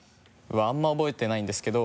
あんまり覚えてないんですけど。